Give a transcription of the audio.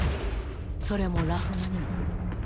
それもラフマニノフ。